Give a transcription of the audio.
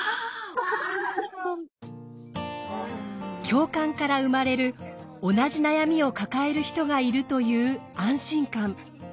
共感から生まれる同じ悩みを抱える人がいるという安心感。